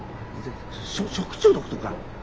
しょ食中毒とか？